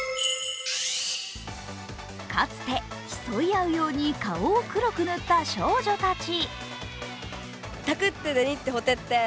かつて、競いあうように顔を黒く新田少女たち。